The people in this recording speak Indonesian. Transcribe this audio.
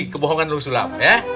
kebohongan lu sulam